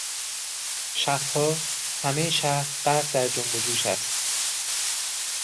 شبها همهی شهر غرق در جنب و جوش است.